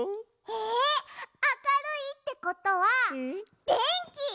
えあかるいってことはでんき？